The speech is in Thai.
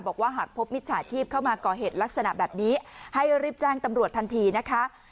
บอกว่าหากพบมิจฉาชีพเข้ามาก่อเหตุลักษณะแบบนี้ให้รีบแจ้งตำรวจทันทีนะคะ